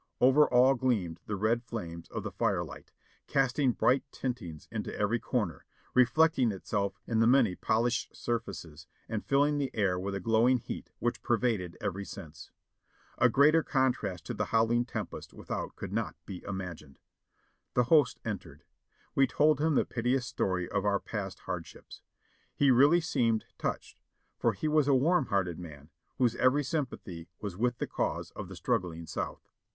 Over all gleamed the red flames of the fire light, casting bright tintings into every corner, reflecting itself in the many polished surfaces and filling the air with a glow ing heat which pervaded every sense. A greater contrast to the howling tempest without could not be imagined. The host entered. We told him the piteous story of our past hardships. He really seemed touched, for he was a warm hearted m.an, whose every sympathy was with the cause of the struggling South.